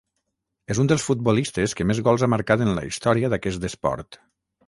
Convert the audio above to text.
És un dels futbolistes que més gols ha marcat en la història d'aquest esport.